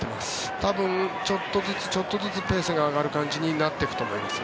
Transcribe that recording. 多分、ちょっとずつちょっとずつペースが上がる感じになっていくと思います。